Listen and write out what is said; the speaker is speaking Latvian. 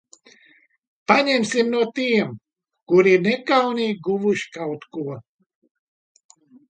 Paņemsim no tiem, kuri ir nekaunīgi guvuši kaut ko.